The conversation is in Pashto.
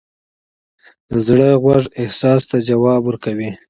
د زړه غوږ احساس ته ځواب ورکوي.